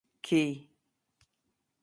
کښې